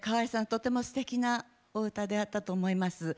とてもすてきなお歌であったと思います。